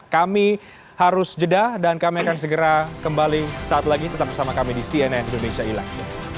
kami harus jeda dan kami akan segera kembali saat lagi tetap bersama kami di cnn indonesia elek